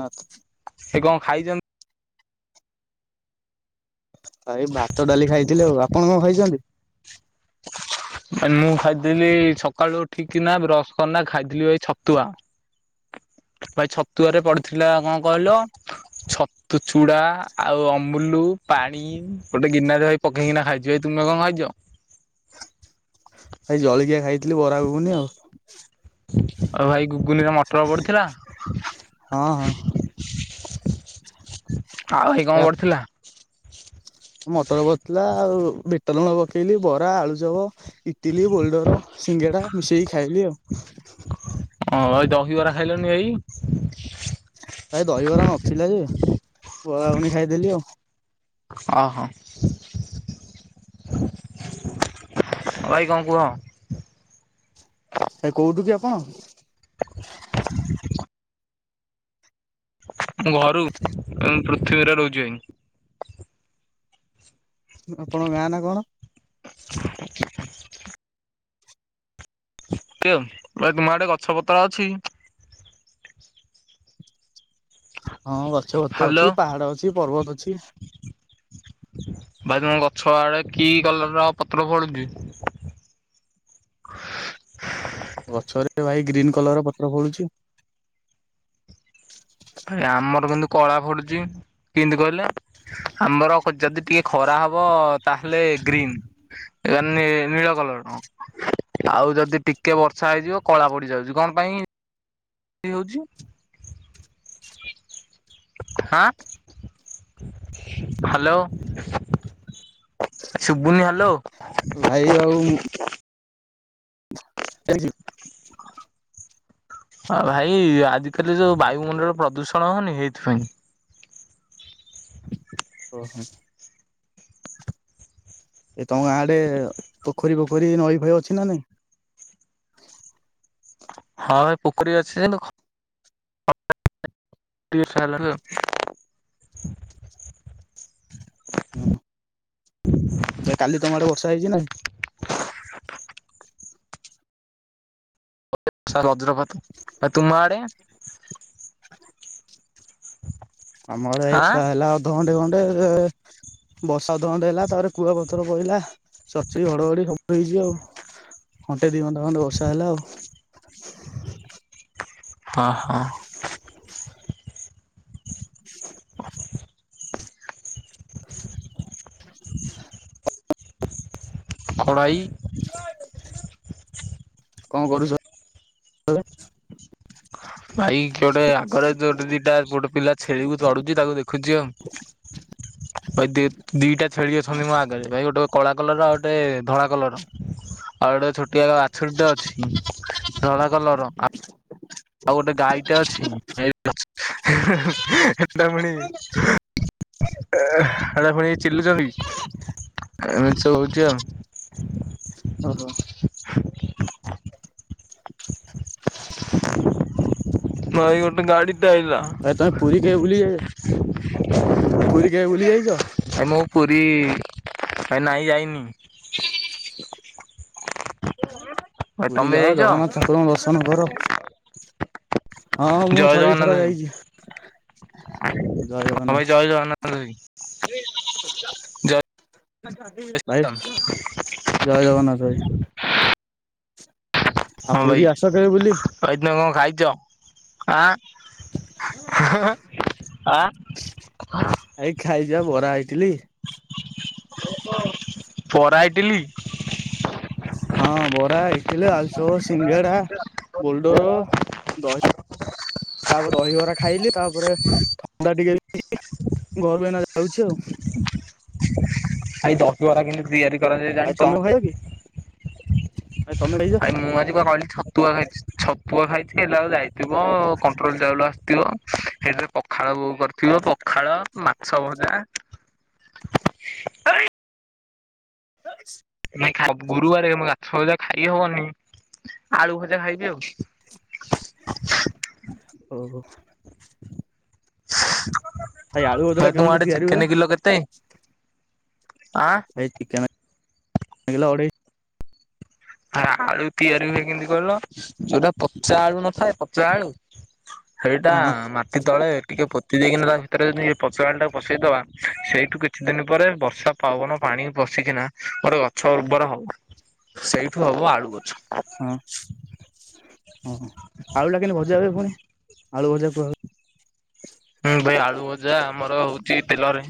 ନା ତ। ସେ କଣ ଖାଇଛନ୍ ଭାଇ ଭାତ ଡାଲି ଖାଇଥିଲି। ଆଉ ଆପଣ କଣ ଖାଇଚନ୍ତି। ହଁ ମୁଁ ଖାଇଥିଲି ସକାଳୁ ଉଠିକି ନା ବ୍ରସ କର୍ନା ଖାଇଥିଲି ଏଇ ଛତୁଆ। ଭାଇ ଛତୁଆରେ ପଡିଥିଲା କଣ କହିଲ ଛ ତୁ ଚୂଡ଼ା ଆଉ ଅମୁଲୁ ପାଣି ଗୋଟେ ଗିନା ରେ ଭାଇ ପକେଇକିନା ଖାଇଚି। ଭାଇ ତୁମେ କଣ ଖାଇଚ। ଭାଇ ଜଳିଖିଆ ଖାଇଥିଲି ବରା ଘୁଗୁନି ଆଉ। ଆଉ ଭାଇ ଗୁଗୁନିରେ ମଟର ପଡିଥିଲା। ଆଉ ହଁ ହଁ ଭାଇ କଣ ପଡିଥିଲା। ମଟର ପଡିଥିଲା ଆଉ ବିଟ ଲୁଣ ପକେଇଲି ବରା ଆଳୁ ଚପ। ଇଟିଲି ବୋଲ୍ଡର ସିଙ୍ଗେଡା ମିଶେଇକି ଖାଇଲି ଆଉ। ଅଁ ଦହିବରା ଖାଇଲନି ଭାଇ। ଭାଇ ଦହିବରା ନଥିଲା ଯେ ବରା ଘୁଗୁନି ଖାଇଦେଲି ଆଉ। ଅ ହ। ଅ ଭାଇ କଂ କୁହ। ଭାଇ କୋଉଠୁ କି ଆପଣ। ମୁଁ ଘରୁ ଉ ପୃଥିବୀରେ ରହୁଚି ଭାଇ। ଆପଣଙ୍କ ଗାଁନା କଣ? [inaudible] ଏମିତି ଆଉ ଭାଇ ତୁମ ଆଡ଼େ ଗଛ ପତ୍ର ଅଛି? ହଁ ଗଛପତ୍ର ହ୍ୟାଲୋ ଅଛି ପାହାଡ଼ ଅଛି ପର୍ବତ ଅଛି। ଭାଇ ତମ ଗଛ ଆଡ଼େ କି କଲର୍ ପତ୍ର ଫଳୁଛି। ଗଛରେ ଭାଇ ଗ୍ରୀନ୍ କଲରର ପତ୍ର ଫଳୁଛି। ଭାଇ ଆମର କିନ୍ତୁ କଳା ଫଳୁଚି କିଇଁତି କହିଲେ। ଆମର କ ଯଦି ଟିକେ ଖରା ହବ ତାହେଲେ ଗ୍ରୀନ୍। ଇଆନି ନୀଳ କଲରର। ଆଉ ଯଦି ଟିକେ ବର୍ଷା ହେଇଯିବ କଳା ପଡ଼ିଯାଉଚି କଣ ପାଇଁ। କି ହଉଚି ଆଁ। ହାଲୋ ଶୁଭୁନି ହାଲୋ। ଭାଇ ଆଉ ମୁଁ [unintelligible] [inaudible] ଆ ଭାଇ ଆଜିକାଲି ଯୋଉ ବାୟୁମଣ୍ଡଳ ପ୍ରଦୂଷଣ ହଉନି ଏଇଥିପାଇଁ। ଓହୋ। ଏ ତମ ଗାଁଆଡ଼େ ପୋଖରୀ ଫୋଖରୀ ନଈ ଫଇ ଅଛି ନା ନାଇଁ। ହଁ ଏ ପୋଖରୀ ଅଛି [unintelligible] [unintelligible] ଉଁ ହୁଁ। ଯେ କାଲି ତମ ଆଡ଼େ ବର୍ଷା ହେଇଚିନା? ବଜ୍ରପାତ ତୁମ ଆଡେ? [inaudible] ଆମ ଆଡେ଼ଏଇ ଆଁ ବର୍ଷା ହେଲା ଅଧଘଣ୍ଟେ ଘଣ୍ଟେ ବର୍ଷା ଅଧଘଣ୍ଟେ ହେଲା ତାପରେ କୁଆପଥର ପଇଲା ଚଡ଼ର୍ଚଡ଼ି ଘଡ଼ଘଡ଼ି ସବୁ ହେଇଚି ଆଉ। ଘଣ୍ଟେ ଦି ଘଣ୍ଟା ପନ୍ଦ ବର୍ଷା ହେଲା ଆଉ। ହଁ ହଁ। [inaudible] [inaudible] [inaudible] [inaudible] କଣ ଆଇ କଣ କରୁଛ? ଭାଇ କିଏଗୋଟେ ଆଗରେ ଯୋଉ ଦିଟା ଗୋଟେ ପିଲା ଛେଳିକୁ ତଡ଼ୁଚି ତାକୁ ଦେଖୁଚି ଆଉ। ଭାଇ ଦି ଦିଟା ଛେଳି ଅଛନ୍ତି ମୋ ଆଗରେ ଭାଇ ଗୋଟେ କଳା କଲର ଆଉ ଗୋଟେ ଧଳା କଲର। ଆଉ ଗୋଟେ ଛୋଟିଆ ବାଛୁୁରୀଟେ ଅଛି ଧଳା କଲର ଆ ଆଉ ଗୋଟେ ଗାଈଟେ ଅଛି ହେ ହେ ହେଟା ପୁଣି ହେରା ପୁଣି ଚିଲୁଚନ୍ତି ଏମତି ସବୁ ହଉଚି ଆଉ। ଓହୋ। ଭାଇ ଗୋଟେ ଗାଡ଼ି ଟେ ଆଇଲା। ଏ ତମେ ପୁରୀ କେବେ ବୁଲି ଯାଇ ପୁରୀ କେବେ ବୁଲି ଯାଇଛ? ଆଉ ମୁଁ ପୁରୀ ଭାଇ ନାଇଁ ଯାଇନି। ଭାଇ ପୁରୀ ତମେ ଯାଅ ଯାଇଛ ଜଗନ୍ନାଥ ଠାକୁରଙ୍କୁ ଦର୍ଶନ କର। ହଁ ମୁଁ ଜୟ ଥରେ ଜଗନ୍ନାଥ ଦିଥର ଭାଇ ଯାଇଚି। ହଁ ଭାଇ ଜୟ ଜଗନ୍ନାଥ [unintelligible] ଜୟ ଭାଇ ଜୟ ଜଗନ୍ନାଥ ଭାଇ। ଆଉ ପୁରୀ ଆସ ହଁ କେବେ ବୁଲି। ଭାଇ ଭାଇ ତମେ କଣ ଖାଇଛ ଆଁ? ଆଁ। ଭାଇ ଖାଇକିପା ବରା ଇଟିଲି। ଆଉ କଣ ବରା, ଇଟିଲି? ହଁ ବରା, ଇଟିଲି, ଆଳୁଚପ, ସିଙ୍ଗେଡା, ବୋଲଡୋର। ଦହି ତାପରେ ଦହିବରା ଖାଇଲି ତାପରେ ଥଣ୍ଡା ଟିକେ ଘରୁ ଏଇନା ଯାଉଛି ଆଉ। ଭାଇ ଦଶିବରା କେମିତି ତିଆରି କରାଯାଏ ଜାଣିଚ? ଭାଇ ତମେ ବି ଭାଇ ମୁଁ ଆଜି ବା କହିଲି ଛତୁଆ ଖାଇଚି ଛତୁଆ ଖାଇଥିଲି ହେଲା ଆଉ ଯାଇନି। ଥିବ କଣ୍ଟ୍ରୋଲ ଚାଉଳ ଆସିଥିବ ସେଥିରେ ପଖାଳ ବୋଉ କରିଥିବ। ପଖାଳ, ମାଛ ଭଜା। [inaudible] ନାଇଁ ଖା ଗୁରୁବାରେ ମାଛ ଭଜା ଖାଇ ହବନି ଆଳୁ ଭଜା ଖାଇବି ଆଉ। ଓହୋ। ଭାଇ ଆଳୁ ଭଜା ଟା କେମିତି ତିଆରି ହୁଏ? ତେଲ କେତେ? ଆଁ। ଏଇ ଚିକେନ୍ ଆଇ ଆଳୁ ତିଆରି ହୁଏ କେମିତି କହିଲ ଯୋଉଟା ପଚା ଆଳୁ ନଥାଏ ପଚା ଆଳୁ ସେଇଟା ହଁ ଆମ୍ କେତଳେ ଟିକେ ପୋତି ଦେଇକି ନା ତା ଭିତରେ ଯଦି ପଚା ଅଣ୍ଡା ଟା ପସେଇଦବା ସେଇଠୁ କି କିଛି ଦିନ ପରେ ବର୍ଷା ପାବନ ପାଣି ପଶିକିନା ବଡ ଗଛ ଉର୍ବର ହବ ସେଇ [unintelligible] ଆଳୁ ଗଛ ହଁ ହଁ ଆଳୁ ଟା କେମତି ଭଜା ହୁଏ ପୁଣି ଆଳୁ ଭଜା କୁଅ ହୁଁ ଭାଇ ଆଳୁ ଭଜା ଆମର ହଉଚି ତେଲରେ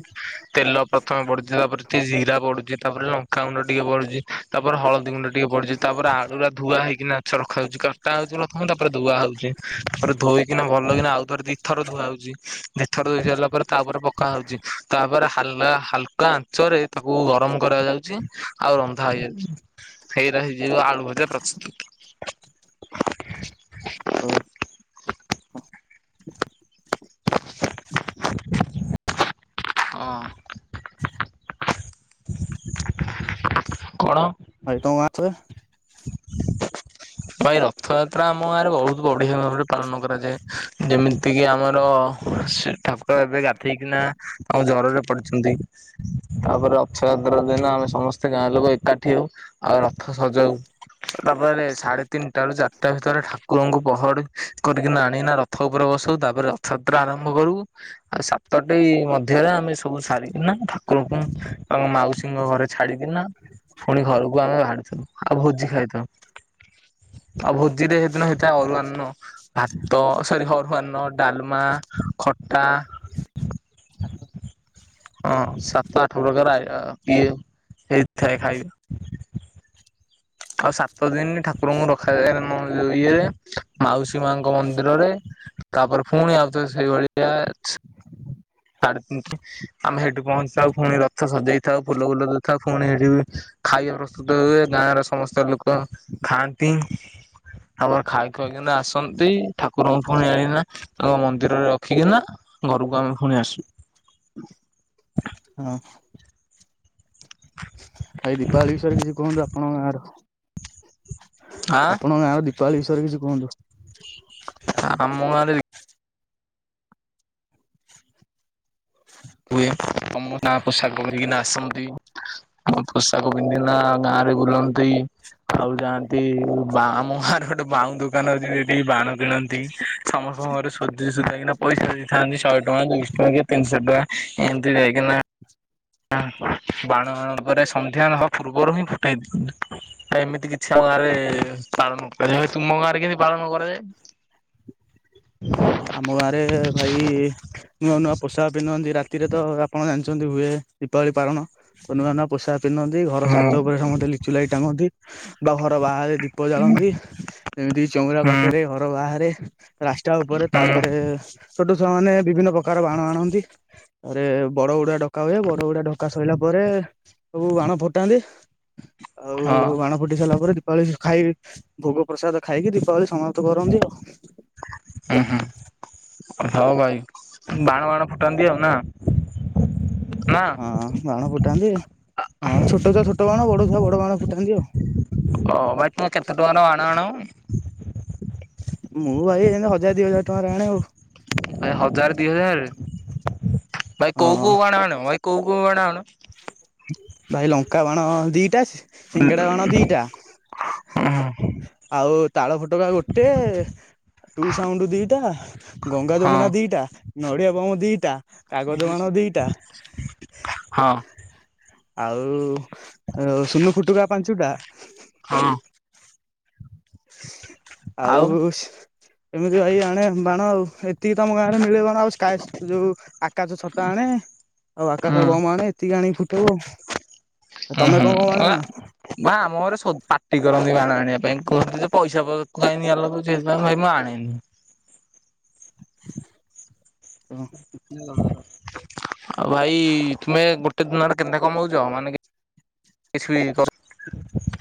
ତେଲ ପ୍ରଥମେ ପଡୁଚି ତାପରେ ଟିକେ ଜିରା ପଡୁଚି ତାପରେ ଲଙ୍କା ଗୁଣ୍ଡ ଟିକେ ପଡୁଚି ତାପରେ ହଳଦୀ ଗୁଣ୍ଡ ଟିକେ ଟିକେ ପଡୁଚି ତାପରେ ଆଳୁରା ଧୁଆ ହେଇକି ମାଛ ରଖାଯାଉଚି କଟା ହଉଚି ପ୍ରଥମ ତାପରେ ଧୁଆ ହଉଚି। ଥରେ ଧୋଇକିନା ଭଲ କିନା ଆଉଥର ଦିଇଥର ଧୁଆ ହଉଚି। ଏଥର ଧୋଇ ସାରିଲା ପରେ ତାପରେ ପକା ହଉଚି। ପରେ ହାଲା ହାଲକା ଆଞ୍ଚ ରେ ତାକୁ ଗରମ କରାଯାଉଚି। ଆଉ ରନ୍ଧା ହୋଇଯାଉଚି ସେଇରା ହେଇଯିବ ଆଳୁ ଭଜା ପ୍ରସ୍ତୁତ। ହଉ। ଅଁ। କଣ? ଆାଇଟମ ୱାଛଏ ଭାଏରା ରଥଯାତ୍ରା ଆମ ଗାଁରେ ବହୁତ ବଢିଆ ଭାବରେ ପାଳନ କରାଯାଏ ଯେମିତିକି ଆମର ସେ ଠାକ ର ଏବେ ଗାଧେଇକିନା ଆଉ ଜରରେ ପଡି ଛନ୍ତି ତାପରେ ଅଥଯାତ୍ରା ଦିନ ଆମେ ସମସ୍ତେ ଗାଁ ଲୋକ ଏକାଠି ହଉ। ଆଉ ରଥ ସଜାଉ ତାପରେ ସାଢେ ତିନିଟା ରୁ ଚାରିଟା ଭିତରେ ଠାକୁରଙ୍କୁ ପହଡି କରିକିନା ଆଣିକି ନା ରଥ ଉପରେ ବସଉ ତାପରେ ରଥଯାତ୍ରା ଆରମ୍ଭ କରୁ। ଆଉ ସାତଟି ମଧ୍ୟରେ ଆମେ ସବୁ ସାରିକିନା କଙ୍କୁ ଆମ ମାଉସୀଙ୍କ ଘରେ ଛାଡ଼ିକିନା ଫୁଣି ଘରକୁ ଆମେ ଭାରୁଥିଲୁ। ଆଉ ଭୋଜି ଖାଇଥାଉ। ଆଉ ଭୋଜିରେ ହେଦିନ ହେଇଥାଏ ଅରୁଆନ୍ନ ଭାତ ସରି ହରୁଆନ୍ନ ଡାଲମା ଖଟା ହଁ ସାତ ଆଠ ପ୍ରକାର ଆଇଆ ଇଏ ହେଇଥାଏ ଖାଇବା। ଆଉ ସାତ ଦିନ ଠାକୁରଙ୍କୁ ରଖାଯାଏ ମ ଯୋଉ ଇଏ ମାଉସୀ ମାଙ୍କ ମନ୍ଦିରରେ ତାପରେ ଫୁଣି ଆଉଥରେ ସେଇଭଳିଆ ସାଢେ ତିନି ଆମେ ହେଇଠି ପହଞ୍ଚିଥାଉ ପୁଣି ରଥ ସଜେଇ ଥାଉ ଫୁଲ ଫୁଲ ଦେଇଥାଉ। ପୁଣି ଏଠି ଖାଇବା ପ୍ରସ୍ତୁତ ହୁଏ ଗାଁର ସମସ୍ତ ଲୋକ ଖାଆନ୍ତି। ଆମର ଖାଇ ଖୁଆଇକିନା ଆସନ୍ତି ଠାକୁରଙ୍କୁ ଫୁଣି ଆନିକିନା ଆମ ମନ୍ଦିରରେ ରଖିକି ନା ଘରକୁ ଆମେ ଫୁଣି ଆସୁ। ହୁଁ। ଭାଇ ଦୀପାବଳି ବିଷୟରେ କିଛି କୁହନ୍ତୁ ଆପଣଙ୍କ ଗାଁର? ଆ ଆପଣଙ୍କ ଗାଁର ଦିପ୍ ପାଳି ବିଷୟରେ କିଛି କୁହନ୍ତୁ? ଆ ମ ଗାଁରେ ଦୀ [inaudible] ହୁଏ, ତମ ନା ପଶାଗ କରିକିନା ଆସନ୍ତି। ପୋଷାକ ପିନ୍ଧିକିନା ଗାଁରେ ବୁଲନ୍ତି। ଆଉ ଯାଆନ୍ତି ବା ଆମ ଗାଁରେ ଗୋଟେ ବାଉଁ ଦୋକାନ ଅଛି ସେଠିକି ବାଣ କିଣନ୍ତି। ସମସ୍ତଙ୍କ ଘରେ ସୋଦି ସୁଦାକିନା ପଇସା ଦେଇଥାନ୍ତି ଶହେ ଟଙ୍କା, ଦୁଇଶହ ଟଙ୍କା, କିଏ ତିନିଶହ ଟଙ୍କା। ଏନ୍ତି ଯାଇକିନା [unintelligible] ବାଣ ବାଣ ପରେ ସନ୍ଧ୍ୟା ନହବା ପୂର୍ବରୁ ହିଁ ଫୁଟାଇ ଦେଇନ୍ତି। ପ୍ରାୟେ ଏମିତି କିଛି ଆମ ଗାଁରେ ଏ ପାଳନ କରାଯାଏ। ଭାଇ ତୁମ ଗାଁରେ କେମିତି ପାଳନ ନ କରାଯାଏ? [inaudible] ଆମ ଗାଁରେ ଭାଇ ନୂଆ ନୂଆ ପୋଷାକ ପିନ୍ଧନ୍ତି ରାତିରେ ତ ଆପଣ ଜାଣିଚନ୍ତି ହୁଏ ଦୀପାବଳି ପାଳନ। ନୂଆ ନୂଆ ପୋଷାକ ପିନ୍ଧନ୍ତି, ଘର ହୁଁ ଛାତ ଉପରେ ସମସ୍ତେ ଲିଚୁ ଲାଇି ଟାଙ୍ଗନ୍ତି, ବା ଘର ବାହାରେ ଦୀପ ଜାଳନ୍ତି। ଏମିତିକି ଚଉରା ହୁଁ ପାଖେରେ, ଘର ବାହାରେ, ରାଷ୍ଟା ଉପରେ। ହୁଁ ଏ ଛୋଟ ଛୁଆ ମାନେ ବିଭିନ୍ନ ପକାର ବାଣ ଆଣନ୍ତି। ତାପରେ ବଡ ବଡ଼ୁଆ ଡକ କା ହୁଏ। ବଡ ବଡୁଆ ଡକା ସଇଲା ପରେ ସବୁ ବାଣ ଫୁଟାନ୍ତି। ଆଉ ହଁ ବାଣ ଫୁଟି ସାରିଲା ପରେ ଦୀପାବଳି ଖାଇ ଭୋଗ ପ୍ରସାଦ ଖାଇକି ଦୀପାବଳି ସମାପ ପ୍ତ କରନ୍ତି ଆଉ। ହଁ ହୁଁ ହଉ ଭାଇ ବାଣ ବାଣ ଫୁଟାନ୍ତି ଆଉ ନା। ନା। ହଁ ବାଣ ଫୁଟାନ୍ତି ହଁ ଛୋଟ ଛୁଆ ଛୋଟ ବାଣ, ବଡ଼ ଛୁଆ ବଡ଼ ବାଣ ଫୁଟାନ୍ତି ଆଉ। ଓ ବାଇ ତମେ କେତେ ଟଙ୍କାର ବାଣ ଆଣ? ମୁଁ ଭାଇ ଏମିତି ହଜାର ଦି ହଜାର ଟଙ୍କାରେ ଆଣେ ଆଉ। ଭାଇ ହଜାର ଦି ହଜାରରେ ଭାଇ କୋଉ ହଁ କୋଉ ବାଣ ଆଣିବ ଭାଇ କୋଉ କୋଉ ବାଣ ଆଣ? ଭାଇ ଲଙ୍କା ବାଣ ଦିଟା, ସିଙ୍ଗିଡା ବାଣ ଦିଟା। ଆଉ ତାଳ ଫୋଟକା ଗୋଟେ। ଟୁ ସାଉଣ୍ଡ ଦିଟା, ଗଙ୍ଗା ହଁ ଯମୁନା ଦିଟା, ନଡିଆ ବମ ଦିଟା। କାଗଜ ବାଣ ଦିଟା [unintelligible] ହଁ। ଆଉ ସୁନୁ ଫୁଟୁକା ପାଞ୍ଚଟା। ହଁ। ଆଉ ଏମିତି ଭାଇ ଆଣେ ବାଣ ଆଉ। ଏତିକି ତ ଆମ ଗାଁ ରେ ମିଳେ ବା ଆଉ ସ୍କାଟସ ଯୋଉ ଆକାଶ ଛତା ଆଣେ। ଆଉ ହୁଁ ଆକାଶ ବମ ଆଣେ ଏତିକି ଆଣିକି ଫୁଟଉ ଆଉ, ଉଁ ତମେ ହୁଁ କଣ କଣ ବାଣ ଆ ଆଣ? ବା ଆମ ଘରେ ଶୋ ପାଟି କରନ୍ତି ବାଣ ଆଣିବା ପାଇଁ କୁହନ୍ତି ଯେ ପଇସା ପତ୍ର କାଇଁ ନିଆ ଲଗଉଚୁ ହେଇଥ୍ ପାଇଁ ଭାଇ ମୁଁ ଆଣେନି। [unintelligible] ଆଉ ଭାଇ ତୁମେ ଗୋଟେ ଦିନରେ କେନ୍ତା କମଉଚ? ମାନେ କି କିଛିଲି। [unintelligible]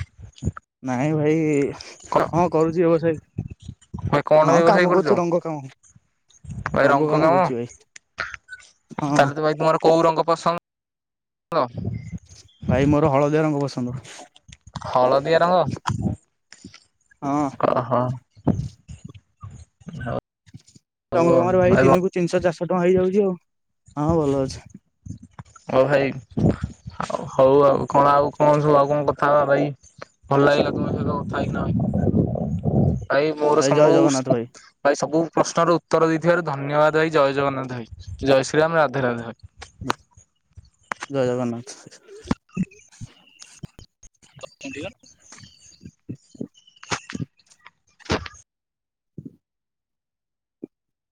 ନାହିଁ ଭାଇ। କର? ହଁ କରୁଛି ବ୍ୟବସାୟ ଭାଇ କଣ ହଁ ବ୍ୟବସାୟ କାମ କରୁଚ କରୁଛି ରଙ୍ଗ କାମ। ରଙ୍ଗ କାମ କରୁଚି ଭାଇ। ହଁ ତାହେଲେ ତ ଭାଇ ତୁମର କୋଉ ରଙ୍ଗ ପସନ୍ଦ? ଭାଇ ମୋର ହଳଦିଆ ରଙ୍ଗ ପସନ୍ଦ। ହଳଦିଆ ରଙ୍ଗ ହଁ ଓହୋ ହଉ। ରଙ୍ଗକାମ ରେ ଭାଇ ଦିନକୁ ତିନିଶହ ଚାରିଶହ ଟଙ୍କା ହେଇଯାଉଚି ଆଉ। ହଁ ଭଲ ଅଛି। ହଉ ଭାଇ ହଉ ଆଉ କଣ ଆଉ କଣ ସବୁ ଆଉ କଣ କଥା ହବା ଭାଇ? ଭଲ ଲାଗିଲା ତମ ସହିତ କଥା ହେଇ କିନା ଭାଇ ମୋର ସମୁସ୍ ଭାଇ ସବୁ ପ୍ରଶ୍ନର ଉତ୍ତର ଦେଇଥିବାରୁ ଧନ୍ୟବାଦ ଭାଇ। ଜୟ ଜଗନ୍ନାଥ ଭାଇ। ଜୟ ଶ୍ରୀରାମ ରାଧେ ରାଧେ ଭାଇ। ଜୟ ଜଗନ୍ନାଥ। [unintelligible]